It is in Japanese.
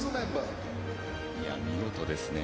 見事ですね